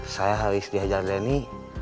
saya habis diajar denny